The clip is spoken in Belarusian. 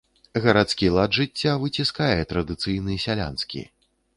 Гарадскі лад жыцця выціскае традыцыйны сялянскі.